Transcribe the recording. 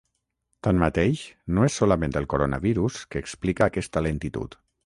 Tanmateix, no és solament el coronavirus que explica aquesta lentitud.